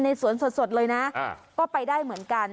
สวนสดเลยนะก็ไปได้เหมือนกัน